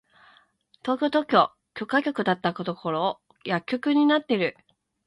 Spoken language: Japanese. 東京特許許可局だったところ薬局になってる！